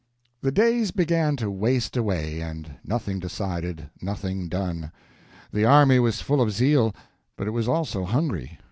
THE DAYS began to waste away—and nothing decided, nothing done. The army was full of zeal, but it was also hungry.